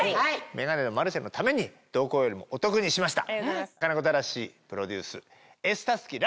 『女神のマルシェ』のためにどこよりもお得にしました。